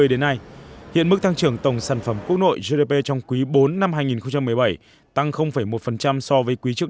đến nay hiện mức tăng trưởng tổng sản phẩm quốc nội gdp trong quý bốn năm hai nghìn một mươi bảy tăng một so với quý trước